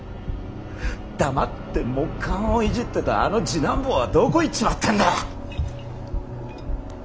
黙って木簡をいじってたあの次男坊はどこ行っちまったんだ！